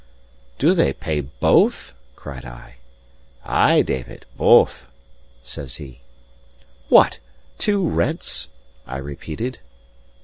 "Do they pay both?" cried I. "Ay, David, both," says he. "What! two rents?" I repeated.